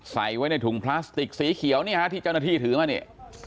ใส่ไว้ในถุงพลาสติกสีเขียวเนี่ยฮะที่เจ้าหน้าที่ถือมาเนี่ย